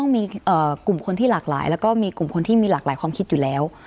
มีกลุ่มคนที่หลากหลายแล้วก็มีกลุ่มคนที่มีหลากหลายความคิดอยู่แล้ว